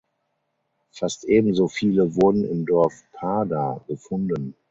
Fast ebenso viele wurden im Dorf Pada gefunden.